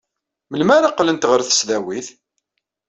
Melmi ara qqlent ɣer tesdawit?